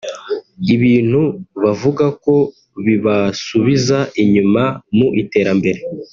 ibintu bavuga ko bibasubiza inyuma mu iterambere